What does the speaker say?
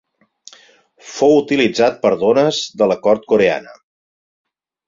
Fou utilitzat per dones de la Cort coreana.